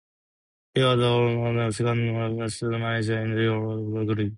He was at the time the second longest serving manager in the Football League.